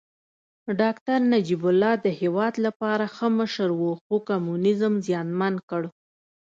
داکتر نجيب الله د هېواد لپاره ښه مشر و خو کمونيزم زیانمن کړ